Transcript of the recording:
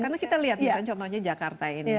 karena kita lihat misalnya contohnya jakarta ini